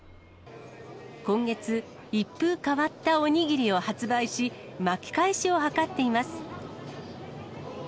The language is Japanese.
今月、一風変わったおにぎりを発売し、巻き返しを図っています。